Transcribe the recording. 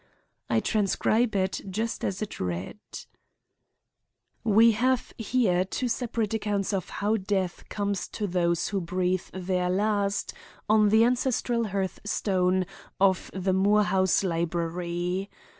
I transcribe it just as it read: "We have here two separate accounts of how death comes to those who breathe their last on the ancestral hearthstone of the Moore house library.